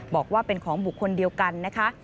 บอกว่าเป็นของบุคคลเดียวกันนะคะ